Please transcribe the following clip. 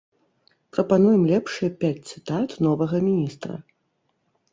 Прапануем лепшыя пяць цытат новага міністра.